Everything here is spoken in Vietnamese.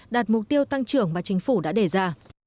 đạt mục tiêu tăng trưởng mà chính phủ đã đề ra